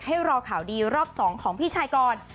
ให้รอข่าวดีรอบ๒ของพี่ชายก่อน